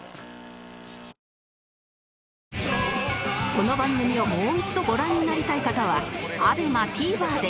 この番組をもう一度ご覧になりたい方は ＡＢＥＭＡＴＶｅｒ で